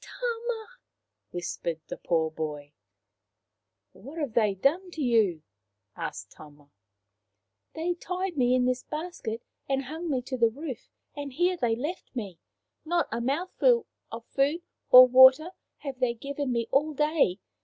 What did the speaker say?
" Tama !" whispered the poor boy. " What have they done to you ?" asked Tama. " They tied me in this basket and hung me to the roof, and here they left me. Not a mouthful of food or water have they given me all day.